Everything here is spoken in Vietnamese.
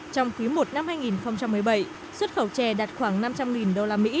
trong khí một năm hai nghìn một mươi bảy xuất khẩu trè đạt khoảng năm trăm linh usd